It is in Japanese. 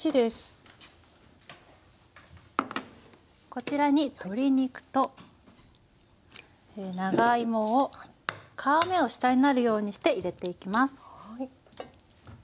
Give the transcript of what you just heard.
こちらに鶏肉と長芋を皮目を下になるようにして入れていきます。